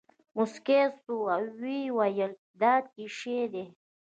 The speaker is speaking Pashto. موسکى سو ويې ويل دا چي شې دي.